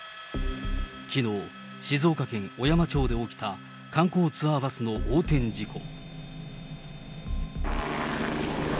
きのう、静岡県小山町で起きた観光ツアーバスの横転事故。